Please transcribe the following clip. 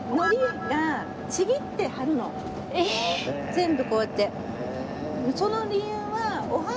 全部こうやって。